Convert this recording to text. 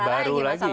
masalah baru lagi